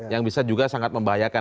yang bisa juga sangat membahayakan